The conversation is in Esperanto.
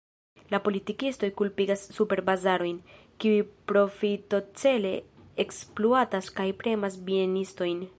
La politikistoj kulpigas superbazarojn, kiuj profitocele ekspluatas kaj premas bienistojn.